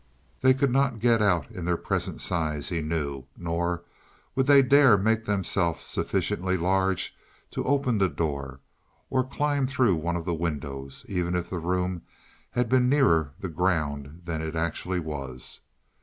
They could not get out in their present size, he knew. Nor would they dare make themselves sufficiently large to open the door, or climb through one of the windows, even if the room had been nearer the ground than it actually was.